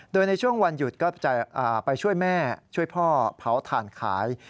โดยในช่วงวันหยุดก็จะไปช่วยแม่ช่วยพ่อเผาถ่านขาย